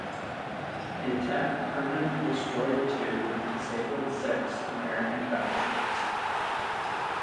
The attack permanently destroyed two and disabled six American battleships.